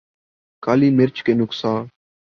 کالی مرچ کے نقصا